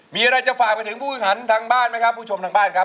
มีอะไรจะฝากไปถึงผู้ชมทางบ้านไหมครับ